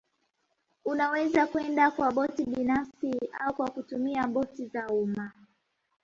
Unaweza kwenda kwa boti binafsi au kwa kutumia boti za umma